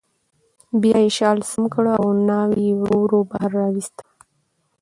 بیا یې شال سم کړ او ناوې یې ورو ورو بهر راوویسته